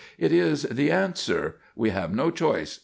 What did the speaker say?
It is the answer. We have no choice.